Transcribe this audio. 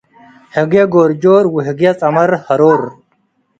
. ህግየ ጎር ጆር ወህግየ ጸመር ሀሮር፣